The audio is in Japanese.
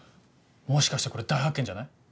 もしかしてこれ大発見じゃない？